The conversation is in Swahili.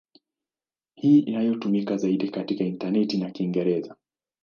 Hii inayotumika zaidi katika intaneti ni Kiingereza.